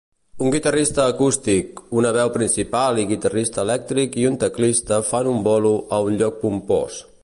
Un guitarrista acústic, una veu principal i guitarrista elèctric i un teclista fan un bolo a un lloc pompós